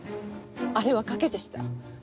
あれは賭けでした。